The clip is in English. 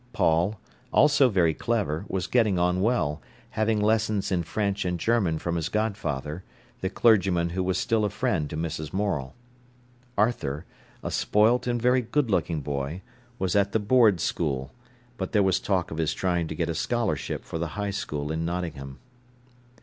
Paul, also very clever, was getting on well, having lessons in French and German from his godfather, the clergyman who was still a friend to Mrs. Morel. Arthur, a spoilt and very good looking boy, was at the Board school, but there was talk of his trying to get a scholarship for the High School in Nottingham.